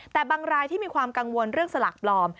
แต่บางรายที่มีความกังวลเรื่องสลากปลอม